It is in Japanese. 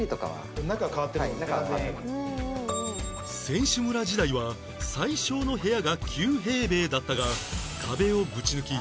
選手村時代は最小の部屋が９平米だったが壁をぶち抜き